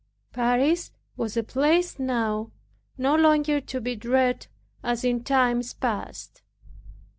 Paris was a place now no longer to be dreaded as in times past.